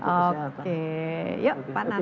oke yuk pak nanang